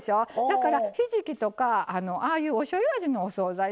だからひじきとかああいうおしょうゆ味のお総菜